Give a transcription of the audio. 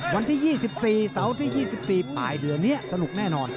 วันที่๒๔เสาร์ที่๒๔ปลายเดือนนี้สนุกแน่นอน